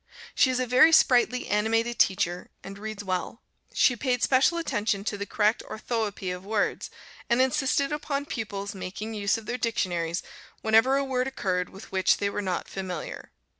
She is a very sprightly, animated teacher, and reads well. She paid special attention to the correct orthoëpy of words, and insisted upon pupils' making use of their dictionaries whenever a word occurred with which they were not familiar.